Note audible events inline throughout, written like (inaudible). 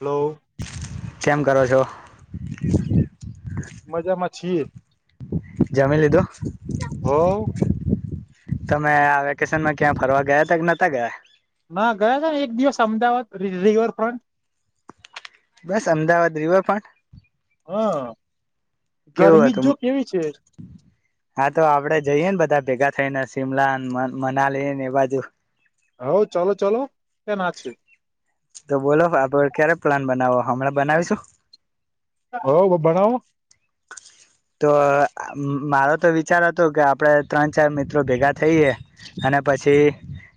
hello કેમ કરો છો એ મજામાં છીએ જામ્યા લો હો તમે આ વેકેશન માં ક્યાં ફરવા ગયા હતા કે નહતા ગયા ના ગયા છે ને એક દિવસ અમદાવાદ રિવરફ્રન્ટ બસ અમદાવાદ રિવર પણ હા કેવું ગરમી હતું જો કેવી છે હા તો આપડે જઈએ ને બધા ભેગા થઈને શિમલા મનાલી ને એ બાજુ હવ ચાલો ચાલો ત્યાં ના છે તો બોલો આપડ ક્યારે પ્લાન બનાવો હમણાં બનાવીશું હવ ભણાવો તો મારો તો વિચાર હતો કે આપણે ત્રણ ચાર મિત્રો ભેગા થઈએ અને પછી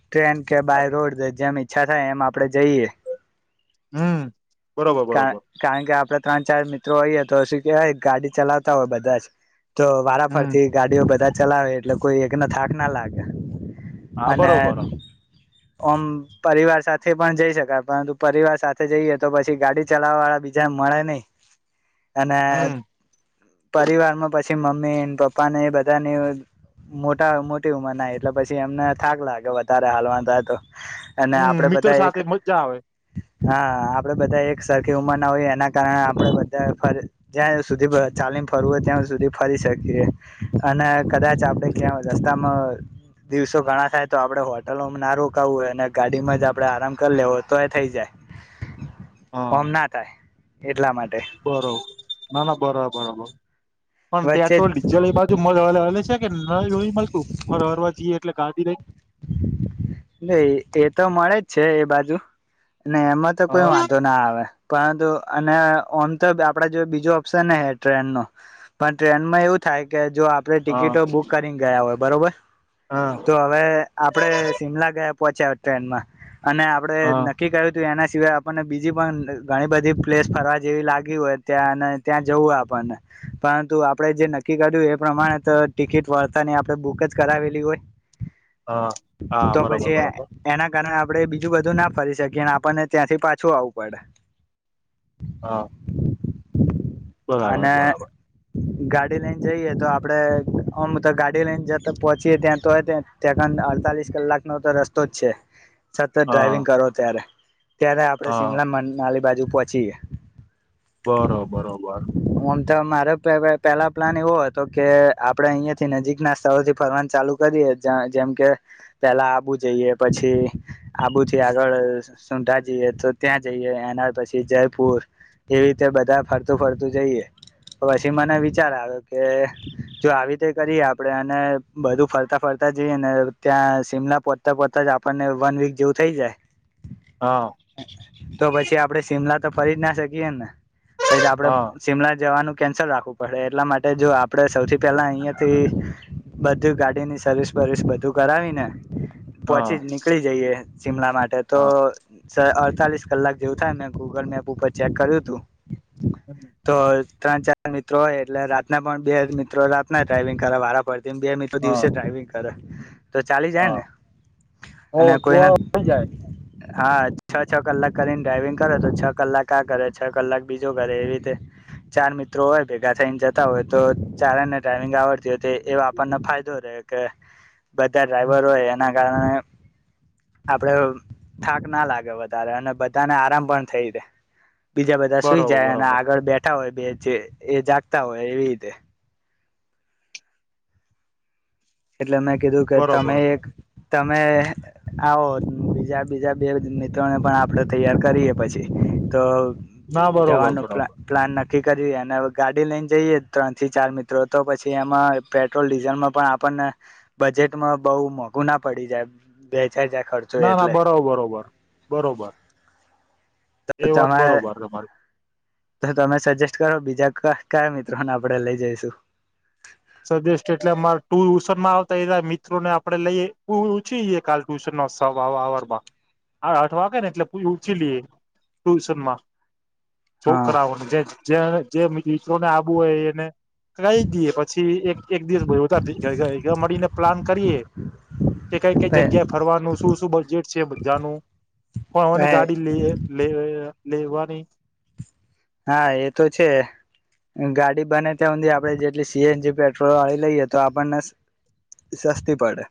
ટ્રેન કે બાય રોડ જેમી છા થાય એમ આપણે જઈએ હમ બરોબર બરોબર કારણ કે આપડ ત્રણ ચાર મિત્રો હોઈએ તો શું કેહેવાય ગાડી ચલાવતા હોય બધા જ તો વારાફર હમ થી ગાડીઓ બધા જ ચલાવે એટલે કોઈ એકને થાક ના લાગે હા અને બરોબર અને ઓમ પરિવાર સાથે પણ જઈ શકાય પરંતુ પરિવાર સાથે જઈએ તો પછી ગાડી ચલાવવા વાળા બીજાને મળે નહીિ અને હમ પરિવારમાં પછી પછી મમ્મી પપ્પા ને એ બધાની મોટા મોટી ઉંમર ના એટલે પછી એમને થાક લાગે વધારે હાલમાં થાય તો અને હમ આપડે મિત્રો બધા એક સાથે મજા આવે હા આપડે બધા એક સરખી ઉંમર ના હોયએ એના કારણે આપડે બધા જ્યાં સુધી ચાલીન ફરવું હોય ત્યાં સુધી ફરી શકીએ અને કદાચ આપડે ક્યાં રસ્તામાં દિવસો ઘણા થાય તો આપડે હોટલોમાં ના રોકાવું હોય અને ગાડીમાં જ આપડે આરામ કરી લે હો તો એ થઇ જાય હા હમ ના થાય એટલા માટે બરોબર ના ના બરા બરોબર પણ વચ્ચે પેટ્રોલ ડીઝલ એ બાજુ હલે છે કે ન મળતું ફર હરવા જઈએ એટલે ગાદી લઈ ન એ તો મળે જ છે એ બાજુ નહી એમાં તો કોઈ હા વાંધો ના આવે પરંતુ અને ઓમ તો આપડા જો બીજો ઓપ્શન હ ટ્રેન ન પણ ટ્રેનમાં એવું થાય કે જો આપડણે હા ટિકિટો બુક કરીને ગયા હોય બરોબર હા તો હવે આપડે ગયા પહોંચ્યા ટ્રેનમાં અને આપડે હા નક્કી કર્યું હતું એના સિવાય આપણને બીજી પણ ઘણી બધી પ્લેસ ફરવા જેવી લાગી હોય ત્યાં અને ત્યાં જવું હો આપણને પરંતુ આપણેે જે નક્કી કર્યું એ પ્રમાણે તો ટિકિટ વળતાની આપણે બુક જ કરાવેલી હોય હા હા તો બરોબર પછી બરોબર એના કારણે આપણે બીજું બધું ના ફરી શકીએ અને આપણને ત્યાંથી પાછું આવું પડે હા બરાબર અને બરાબર ગાડી લઈને જઈએે તો આપડે અમ તો ગાડી લઈને જતા પહોંચીયે ત્યાં તો ત્યા ત્યાં ખ અડતાલીસ વસ કલાકનોો તો રસ્તો જ છે સતત હા ડ્રાઈવિંગ કરો ત્યારે ત્યારે આપડે હા શિમલા મ નાલી બાજુ પછી બરોબરોબર તો મારો પેલા પ્લાન એવો હતો કે આપડે અહિયાયા થી નજીક ના સ્થળોથી ફરવાનું ચાલુ કરીએ જેમ કે પેલા આબુ જઈએ પછી આબુથી આગળ સુંટા જઈએ તો ત્યાં જઈએ એના પછી જયપુર એવી રીતે બધા ફરતું ફરતું જઈએ તો પછી મને વિચાર આવ્યો કે જો આવી રીતે કરીએ આપણે અને બધું ફરતા ફરતા જઈએ ને ત્યાં શિમલા પોતા પોતા જ આપણને વન વીક જેવું થઈ હા જાય તો પછી આપડે શિમલા તો ફ જ ના શકીએ ને પછી આપડે હા શિમલા જવાનું કેન્સલ રાખવું પડે એટલા માટે જો આપણે સૌથી પહેલા અયા તો બધું ગાડી ની સર્વિસ વર્વિસ બધું કરાવી ને (inaudible) પછી હા નીકળી જઈએ શિમલા માટે તો હા ડતાલીસ કલાક જેવું થાય મેં ગુગલ મેપ ઉપર ચેક કર્યું હતું તો ત્રણ ચાર મિત્રો હોય એટલે રાતના પણ બે જ મિત્રો રાતના ડ્રાઈઇિંગ કરવા વારા પડતા તેમ બીિત તો હા દિવસે ડ્રાઈવિંગ કરરા તો ચાલી જાય ને હ અને તોઆ કોઈના હોય જાય હા છ છ કલાક કરીને ડ્રાઈવિંગ કરે તો છ કલાક આ કરે છ કલાક બીજો કરે એવી રીતે ચાર મિત્રો હોય ભેગા થઈને જતા હોય તો ચારે ને ડ્રાઈવિંગ આવડતી હોય એ આપણને ફાયદો રહે કે બધા ડ્રાઈવરો હોય એ કાર આપડે થાક ના લાગે વધારે અને બધાને આરામ પણ થઈ જાય બીજા બધા સુઈ જાય બરોબર અને બરોબર આગળ બેઠા હોય બે જે એ જાગતા હોય એવી રીતે એટલે અ કીધું કે તમે બરોબર એક તમે આવો બીજા બીજા બે મિત્રોને પણ આપડે તૈયાર કરીએ પછી તો ના બરોબર થરાબર નકી કરી અને ગાડી લઈને જઈએ ત્રણ થી ચાર મિત્રો તો પછી એમાં પેટ્રોલ ડીઝલમાં પણ આપ પણ બજેટમાં બહુ મોંઘું ના પડી જાય ચાર જાય ખર્ચો ના ના એટલે બરોર બરોબર બરોબર એ તો વાત તમારે બરોબર તમારી તો તમે સજેસ્ટ કરો બીજા કયા મિત્રોને આપણેે લઈ જઈશું સજેસ્ટ એટલે ટુશનમાં આવતા મિત્રોને આપડે લઈએ ઉછીએ કાલ ટ્યુશનર અઠ વાગે ને એટલે ઉછી લઈએ ટુશનમાં શું હા કરાવનું જે મિત્રોને હોય એને કી દ પછી એક એક દિવસતા મળીને પ્લાન કરીએે કે કઈ કઈ જગ્યા ફરવાનું શું શું બજેટ છે બધાનું કોની ગાડી લ લે લેવાની હા એ તો છે ગાડી બને ત્યાં સુધી આપણે જેટલી સીએનજી પેટ્રોલ આવીી લઈએ તો આપણને સસ્તી પડે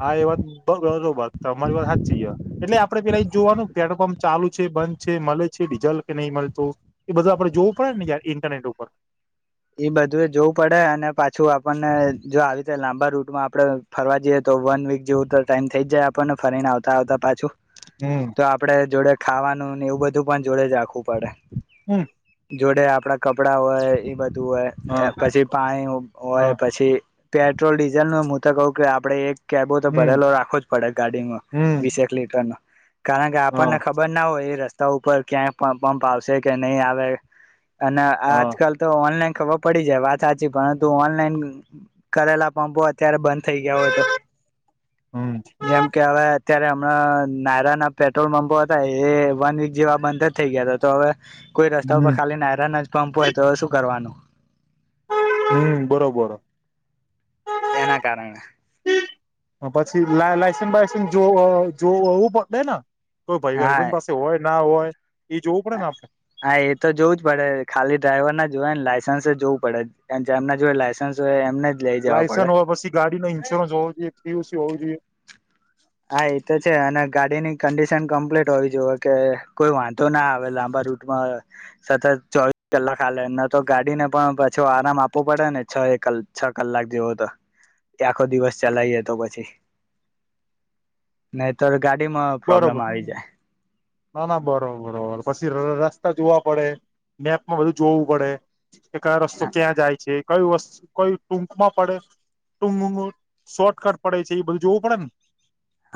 હા એ વાત બરોબર તમારી વાત સાચી છે એટલે આપડે પેલા જોવાનું પેટ્રોલ પંપ ચાલુ છે બંધ છે મળે છે ડીઝલ કે નહીં મળતો એ બધું આપડે જોવું પડે ને ઇન્ટરનેટ ઉપર ઈ બધું જોવું પડે અને પાછું આપણને જો આવી રતે લાંબા રૂટમાં આપડે ફરવા જઈએ તો વન વીક જેવું તો ટાઈમ થઈ જ જાય આપણને ફરીને આવતા આવતા પાછું હમ તો આપડે જોડે ખાવાનું ને એવું બધું પણ જોડે જ રાખવું પડે હમ જોડે આપડા ક કપડા હોય એ બધા ું હોય હા પછી પાણી હોય હા પછી પેટ્રોલ ડીઝલ ન હું તો કહું કે આપણે એક કેબો તો હમ ભરેલો રાખવો જ પડે ગાડીમાં હમ વીસ એક લીટર ન કારણ કે હા આપણને ખબર ના હોય એ રસ્તે ઉપર ક્યાંય પંપ આવશે કે નહી આવે અને હા આજકાલ તો ઓનલાઈન ખબર પડી જાય વાત સાચી પરંતુ ઓનલાઈન કરેલા પંપો અત્યારે બંધ થઈ ગયા હોય તો હમ જેમ કે હવે ત્યારે હમણાં નાયરા ના પેટ્રોલ પં્પો હતા એ વન વીક જેવા બંધ જ થઈ ગયા હતા તો હવે કોઈ રસ્તા હમ ઉપર ખાલી નાયરાન જ પં્પ હોય તો શું કરવાનું હમ બરોબર એના કારંગ પછી લાયસસ બાાયસન્ જો જો હોવું પડે કોઈ હા ભાઈ પાસે હોય ના હોય એ જોવું પડે ને આપડે હા એ તો જોવું જ પડે ખાલી ડ્રાઈવર ના જોય ને લાયસન્સ જ જોવું પડેમના જો લાયસન્સ હોય એમને જ લઈ જવા લાયસન્સ પડે હોવા પછી ગાડી ન ન્સ્યોરન્સ હોવ જો એક થયું છે જોઈ હા એ તો છે અને ગાડીની કંડિશન કમ્પ્લીટ હોવી જોુએ કે કોઈ વાંધો ના આવે હવે લાંબા રૂટમાં સતત ચોવીસ કલાક હાલે ન તો ગાડીને પણ પછો આરામ આપવો પડે ને છ એક છ કલાક જેવો તો આખો દિવસ ચલાવીએ તો પછી નાહી ત ગાડી માં પ્રોબ્લેમ બરોબર આવી જાય ના ના બરોબરરોબર પછી રસ્તા જોવા પડે નેપમાં બધું જોવું પડે એક આ રસ્તો ક્યાં જાય છે કય વસ્તુ કય ટૂકમાં પડે ટુંગ શોર્ટકટ પડે છે એ બધું જોવું પડે ને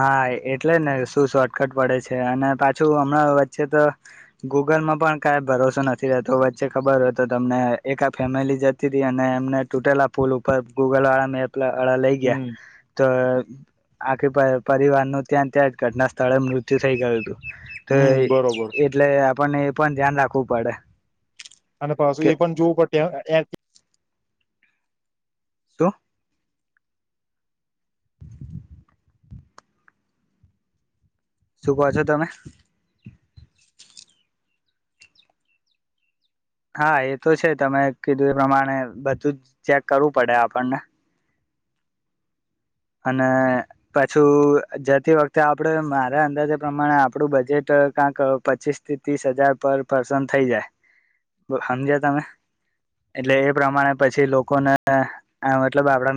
હા એટલે ને શું શોર્ટકટ પડે છે અને પાછું હમણાં વચ્ચે તો ગૂગલમાં પણ કઈ ભરોસો નથી રહેતો વચ્ચે ખબર હોય તો તમને એકા ફેમિલી જતી રહી અને એમને તૂટેલા ફૂલ ઉપર ગૂગલ વાળા મેપ પલા અળ લઈ ગયા હમ તો આખે ભાઈ પરિવારનુંું ત્યાં ત્યાં જ ઘટના સ્થળે મૃત્યુ થઈ ગયું હતું તો હમ બરોબર એટલે આપને એ પણ ધ્યાન રાખવું પડે અને પાછું કે એ પણ જોવું પડ શું શુંકો છો તમે હા એ તો છે તમે કીધું એ પ્રમાણે બધું જ ચેક કરવું પડે આપણને અને પછું જતી વખતે આપડ મારા અંદાજે પ્રમાણે આપડું બજેટ કંક પચીસ થી ત્રીસ હજાર પર પર્સન થઈ જાય સમજે તમે એટલે એ પ્રમાણે પછી લોકોને આ મતલબ આપડા